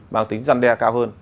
mang tính răn đe cao hơn